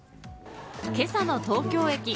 今朝の東京駅。